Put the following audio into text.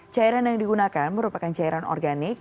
cairan yang digunakan merupakan cairan organik